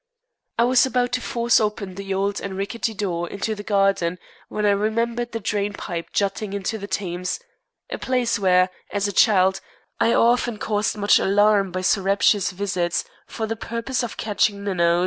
I was about to force open the old and rickety door into the garden when I remembered the drain pipe jutting into the Thames a place where, as a child, I often caused much alarm by surreptitious visits for the purpose of catching minnows.